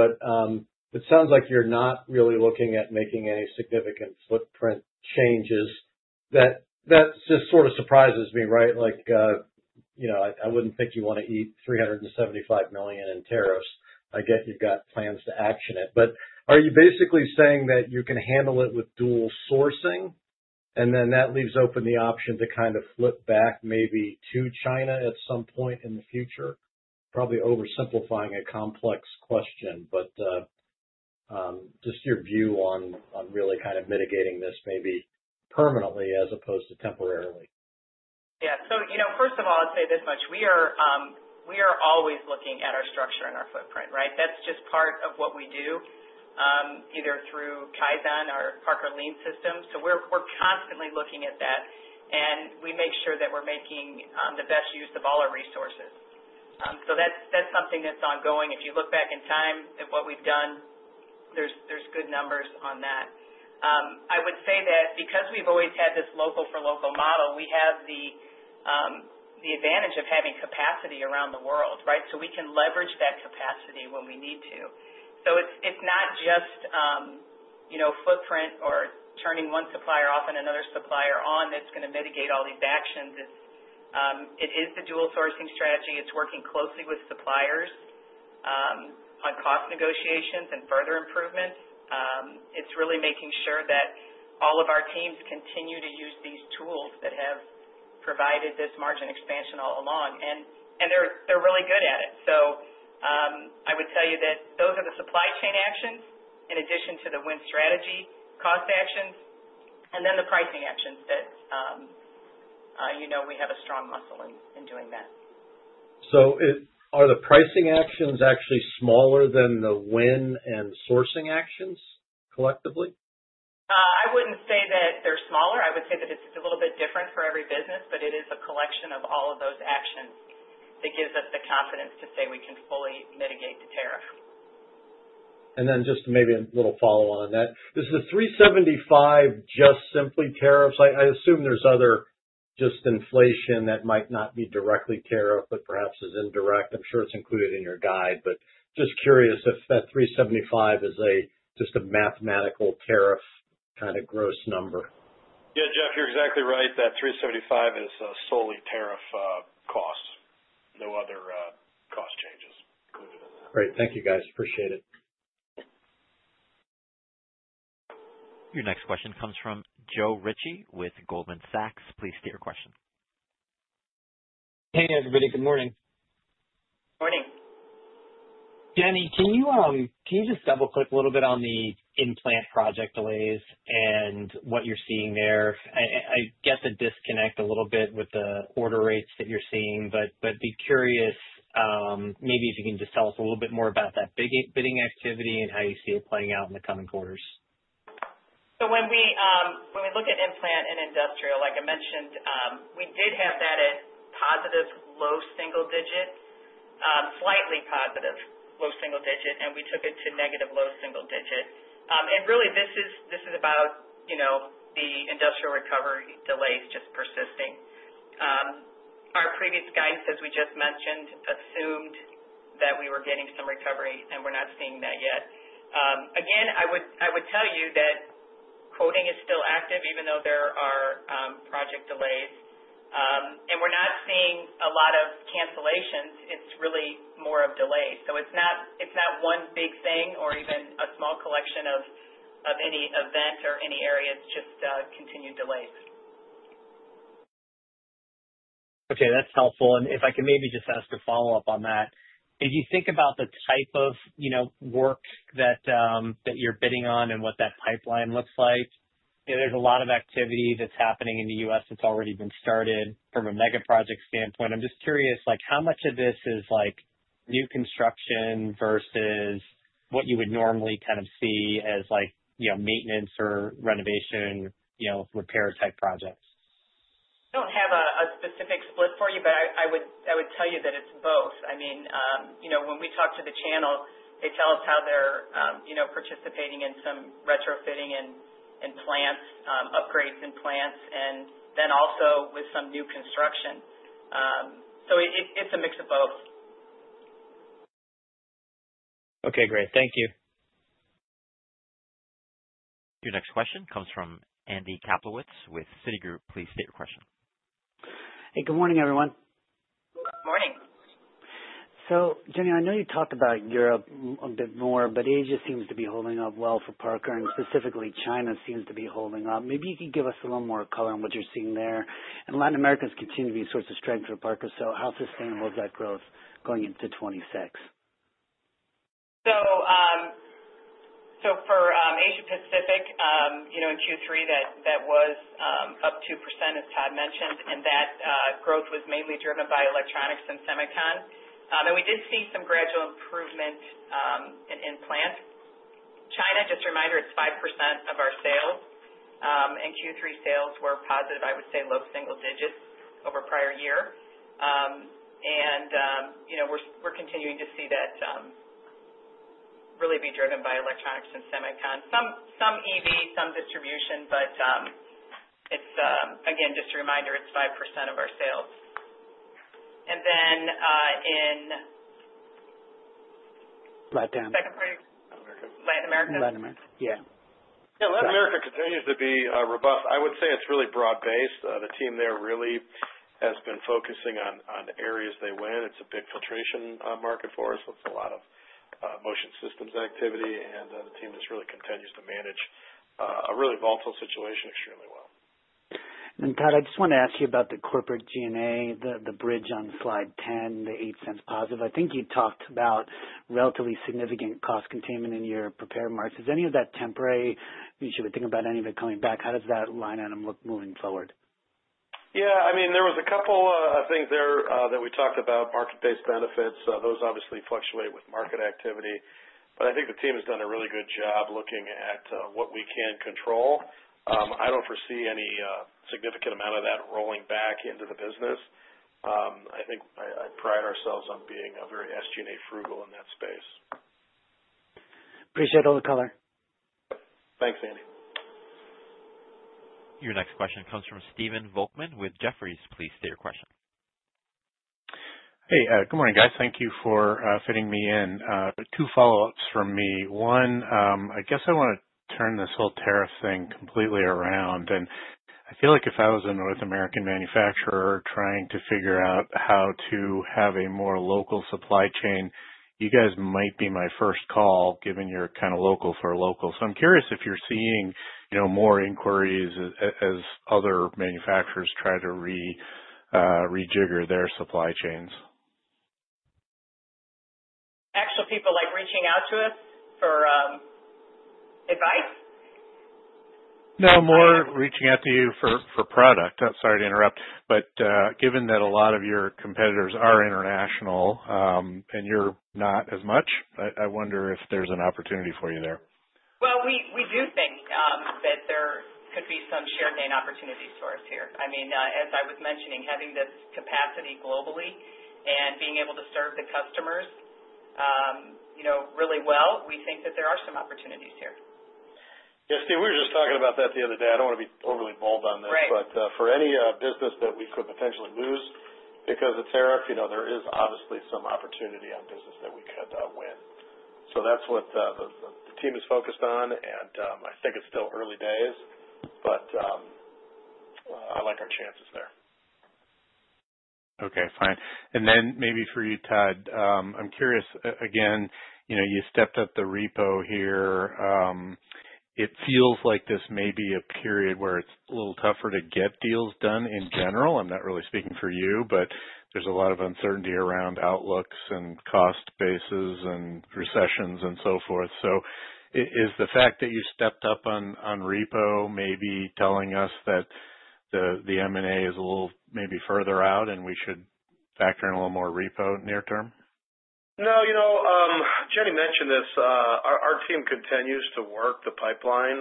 It sounds like you're not really looking at making any significant footprint changes. That just sort of surprises me, right? I wouldn't think you want to eat $375 million in tariffs. I get you've got plans to action it. Are you basically saying that you can handle it with dual sourcing? That leaves open the option to kind of flip back maybe to China at some point in the future. Probably oversimplifying a complex question, but just your view on really kind of mitigating this maybe permanently as opposed to temporarily. Yeah. First of all, I'll say this much. We are always looking at our structure and our footprint, right? That's just part of what we do either through Kaizen or Parker Lean systems. We're constantly looking at that. We make sure that we're making the best use of all our resources. That's something that's ongoing. If you look back in time at what we've done, there's good numbers on that. I would say that because we've always had this local-for-local model, we have the advantage of having capacity around the world, right? We can leverage that capacity when we need to. It's not just footprint or turning one supplier off and another supplier on that's going to mitigate all these actions. It is the dual sourcing strategy. It's working closely with suppliers on cost negotiations and further improvements. It's really making sure that all of our teams continue to use these tools that have provided this margin expansion all along. They are really good at it. I would tell you that those are the supply chain actions in addition to the Win Strategy cost actions. The pricing actions that we have a strong muscle in doing that. Are the pricing actions actually smaller than the win and sourcing actions collectively? I would not say that they are smaller. I would say that it is a little bit different for every business. It is a collection of all of those actions that gives us the confidence to say we can fully mitigate the tariff. Just maybe a little follow-on on that. Is the $375 million just simply tariffs? I assume there's other just inflation that might not be directly tariff, but perhaps is indirect. I'm sure it's included in your guide. Just curious if that $375 million is just a mathematical tariff kind of gross number. Yeah. Jeff, you're exactly right. That $375 million is solely tariff cost. No other cost changes included in that. Great. Thank you, guys. Appreciate it. Your next question comes from Joe Ritchie with Goldman Sachs. Please state your question. Hey, everybody. Good morning. Good morning. Jenny, can you just double-click a little bit on the implant project delays and what you're seeing there? I get the disconnect a little bit with the order rates that you're seeing. Be curious maybe if you can just tell us a little bit more about that big bidding activity and how you see it playing out in the coming quarters. When we look at implant and industrial, like I mentioned, we did have that at positive low single-digit, slightly positive low single-digit. We took it to negative low single-digit. Really, this is about the industrial recovery delays just persisting. Our previous guidance, as we just mentioned, assumed that we were getting some recovery. We are not seeing that yet. Again, I would tell you that quoting is still active even though there are project delays. We are not seeing a lot of cancellations. It is really more of delays. It is not one big thing or even a small collection of any event or any area. It is just continued delays. Okay. That's helpful. If I can maybe just ask a follow-up on that, if you think about the type of work that you're bidding on and what that pipeline looks like, there's a lot of activity that's happening in the U.S. that's already been started from a mega project standpoint. I'm just curious, how much of this is new construction versus what you would normally kind of see as maintenance or renovation, repair-type projects? I don't have a specific split for you. I would tell you that it's both. I mean, when we talk to the channel, they tell us how they're participating in some retrofitting and upgrades in plants. Also with some new construction, it is a mix of both. Okay. Great. Thank you. Your next question comes from Andy Kaplowitz with Citigroup. Please state your question. Hey, good morning, everyone. Good morning. Jenny, I know you talked about Europe a bit more. Asia seems to be holding up well for Parker. Specifically, China seems to be holding up. Maybe you could give us a little more color on what you're seeing there. Latin America continues to be a source of strength for Parker. How sustainable is that growth going into 2026? For Asia-Pacific in Q3, that was up 2%, as Todd mentioned. That growth was mainly driven by electronics and semicon. We did see some gradual improvement in plant. China, just a reminder, it's 5% of our sales. Q3 sales were positive, I would say, low single digits over prior year. We're continuing to see that really be driven by electronics and semicon. Some EV, some distribution. Again, just a reminder, it's 5% of our sales. And then in. Latin America? Second part? Latin America? Yeah. Latin America continues to be robust. I would say it's really broad-based. The team there really has been focusing on areas they win. It's a big filtration market for us. It's a lot of motion systems activity. The team just really continues to manage a really volatile situation extremely well. Todd, I just want to ask you about the corporate G&A, the bridge on slide 10, the $0.08 positive. I think you talked about relatively significant cost containment in your prepared marks. Is any of that temporary? You should be thinking about any of it coming back. How does that line item look moving forward? Yeah. I mean, there was a couple of things there that we talked about, market-based benefits. Those obviously fluctuate with market activity. I think the team has done a really good job looking at what we can control. I do not foresee any significant amount of that rolling back into the business. I think I pride ourselves on being very SG&A frugal in that space. Appreciate all the color. Thanks, Andy. Your next question comes from Stephen Volkmann with Jefferies. Please state your question. Hey, good morning, guys. Thank you for fitting me in. Two follow-ups from me. One, I guess I want to turn this whole tariff thing completely around. I feel like if I was a North American manufacturer trying to figure out how to have a more local supply chain, you guys might be my first call given you're kind of local for local. I'm curious if you're seeing more inquiries as other manufacturers try to rejigger their supply chains. Actual people reaching out to us for advice? No, more reaching out to you for product. Sorry to interrupt. Given that a lot of your competitors are international and you're not as much, I wonder if there's an opportunity for you there. We do think that there could be some shared gain opportunities for us here. I mean, as I was mentioning, having this capacity globally and being able to serve the customers really well, we think that there are some opportunities here. Yeah. Steve, we were just talking about that the other day. I do not want to be overly bold on this. For any business that we could potentially lose because of tariff, there is obviously some opportunity on business that we could win. That is what the team is focused on. I think it is still early days. I like our chances there. Okay. Fine. And then maybe for you, Todd, I'm curious. Again, you stepped up the repo here. It feels like this may be a period where it's a little tougher to get deals done in general. I'm not really speaking for you. There is a lot of uncertainty around outlooks and cost bases and recessions and so forth. Is the fact that you stepped up on repo maybe telling us that the M&A is a little maybe further out and we should factor in a little more repo near term? No. Jenny mentioned this. Our team continues to work the pipeline.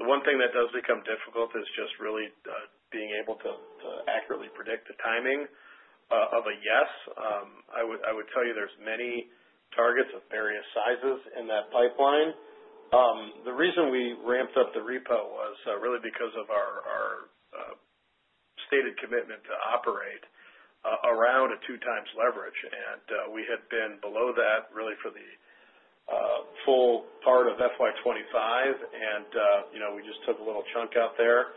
The one thing that does become difficult is just really being able to accurately predict the timing of a yes. I would tell you there's many targets of various sizes in that pipeline. The reason we ramped up the repo was really because of our stated commitment to operate around a 2x leverage. We had been below that really for the full part of FY 2025. We just took a little chunk out there,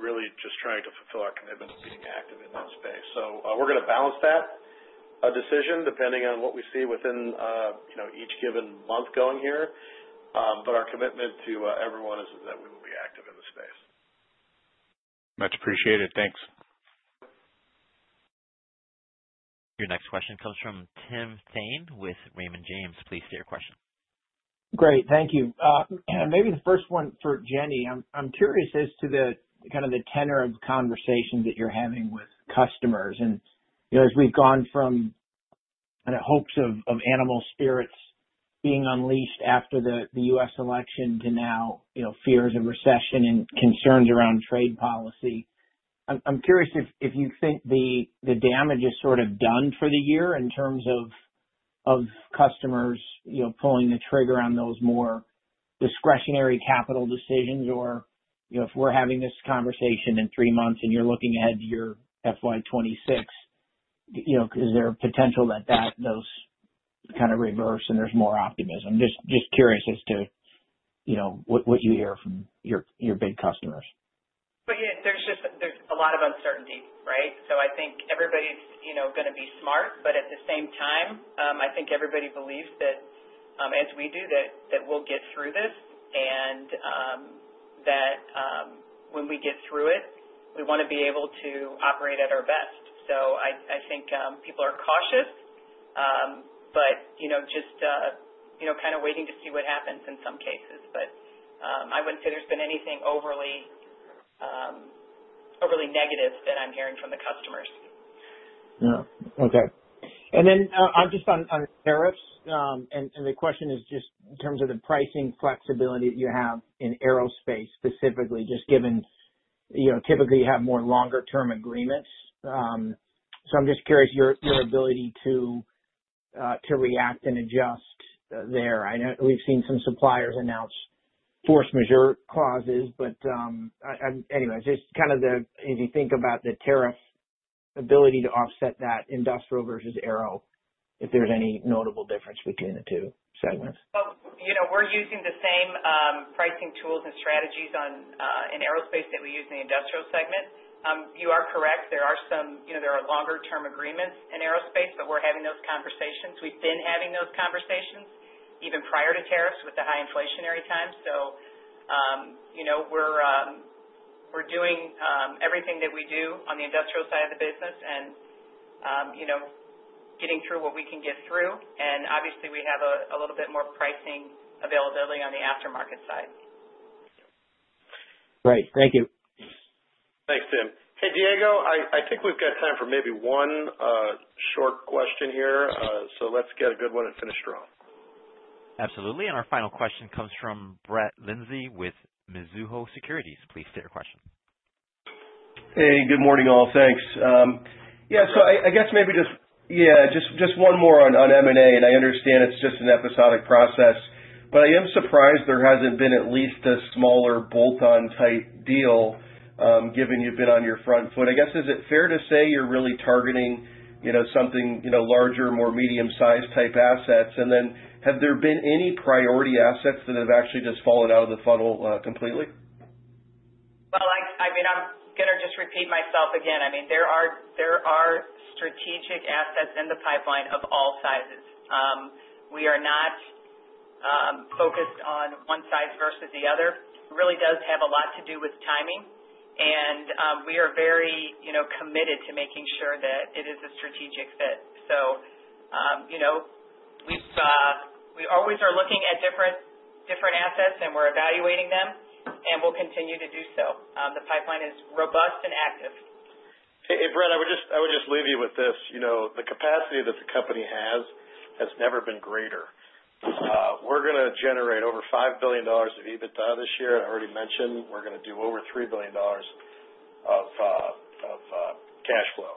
really just trying to fulfill our commitment to being active in that space. We are going to balance that decision depending on what we see within each given month going here. Our commitment to everyone is that we will be active in the space. Much appreciated. Thanks. Your next question comes from Tim Thein with Raymond James. Please state your question. Great. Thank you. Maybe the first one for Jenny. I'm curious as to kind of the tenor of conversation that you're having with customers. As we've gone from hopes of animal spirits being unleashed after the U.S. election to now fears of recession and concerns around trade policy, I'm curious if you think the damage is sort of done for the year in terms of customers pulling the trigger on those more discretionary capital decisions. If we're having this conversation in three months and you're looking ahead to your FY 2026, is there a potential that those kind of reverse and there's more optimism? Just curious as to what you hear from your big customers. Yeah, there's a lot of uncertainty, right? I think everybody's going to be smart. At the same time, I think everybody believes, as we do, that we'll get through this. When we get through it, we want to be able to operate at our best. I think people are cautious, just kind of waiting to see what happens in some cases. I wouldn't say there's been anything overly negative that I'm hearing from the customers. Yeah. Okay. Just on tariffs, the question is just in terms of the pricing flexibility that you have in aerospace specifically, just given typically you have more longer-term agreements. I am just curious your ability to react and adjust there. We have seen some suppliers announce force majeure clauses. Anyway, just kind of if you think about the tariff ability to offset that industrial versus aero, if there is any notable difference between the two segments. We're using the same pricing tools and strategies in aerospace that we use in the industrial segment. You are correct. There are longer-term agreements in aerospace. We're having those conversations. We've been having those conversations even prior to tariffs with the high inflationary times. We're doing everything that we do on the industrial side of the business and getting through what we can get through. Obviously, we have a little bit more pricing availability on the aftermarket side. Great. Thank you. Thanks, Tim. Hey, Diego, I think we've got time for maybe one short question here. Let's get a good one and finish strong. Absolutely. Our final question comes from Brett Linzey with Mizuho Securities. Please state your question. Hey, good morning, all. Thanks. Yeah. I guess maybe just, yeah, just one more on M&A. I understand it's just an episodic process. I am surprised there hasn't been at least a smaller bolt-on type deal given you've been on your front foot. I guess is it fair to say you're really targeting something larger, more medium-sized type assets? Have there been any priority assets that have actually just fallen out of the funnel completely? I mean, I'm going to just repeat myself again. I mean, there are strategic assets in the pipeline of all sizes. We are not focused on one size versus the other. It really does have a lot to do with timing. We are very committed to making sure that it is a strategic fit. We always are looking at different assets. We are evaluating them. We will continue to do so. The pipeline is robust and active. Hey, Brett, I would just leave you with this. The capacity that the company has has never been greater. We're going to generate over $5 billion of EBITDA this year. I already mentioned we're going to do over $3 billion of cash flow.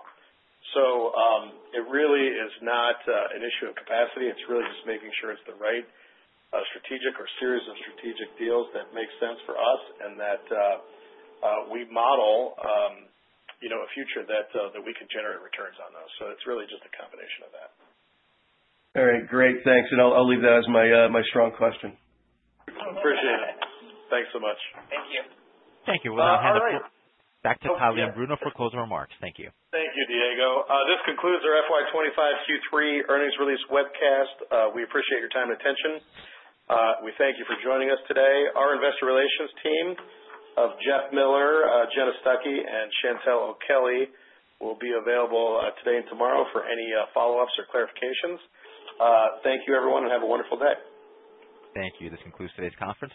It really is not an issue of capacity. It is really just making sure it is the right strategic or series of strategic deals that make sense for us and that we model a future that we can generate returns on those. It is really just a combination of that. All right. Great. Thanks. I'll leave that as my strong question. Appreciate it. Thanks so much. Thank you. Thank you. We'll hand it back to Todd Leombruno for closing remarks. Thank you. Thank you, Diego. This concludes our FY 2025 Q3 earnings release webcast. We appreciate your time and attention. We thank you for joining us today. Our investor relations team of Jeff Miller, Jenna Stuckey, and Chantelle O'Kelley will be available today and tomorrow for any follow-ups or clarifications. Thank you, everyone. Have a wonderful day. Thank you. This concludes today's conference.